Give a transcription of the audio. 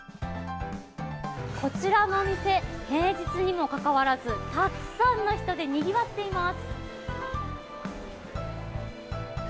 こちらのお店平日にもかかわらずたくさんの人でにぎわっています。